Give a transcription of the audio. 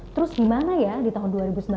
terus gimana ya di tahun dua ribu sembilan belas